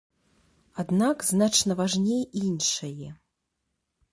Аднак значна важней іншае.